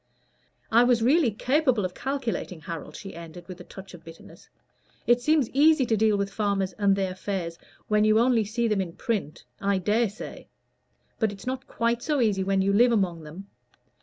"I was really capable of calculating, Harold," she ended, with a touch of bitterness. "It seems easy to deal with farmers and their affairs when you only see them in print, I dare say; but it's not quite so easy when you live among them.